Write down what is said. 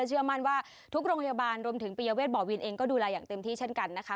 เชื่อมั่นว่าทุกโรงพยาบาลรวมถึงปริยเวทบ่อวินเองก็ดูแลอย่างเต็มที่เช่นกันนะคะ